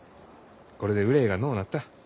これで憂いがのうなった。